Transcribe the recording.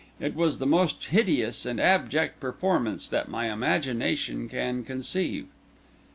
It was the most hideous and abject performance that my imagination can conceive.